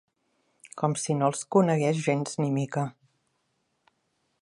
Com si no els conegués gens ni mica.